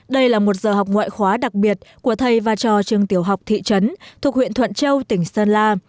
đây là một giờ học ngoại khóa đặc biệt của thầy và trò trường tiểu học thị trấn thuộc huyện thuận châu tỉnh sơn la